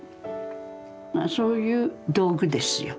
まあそういう道具ですよ。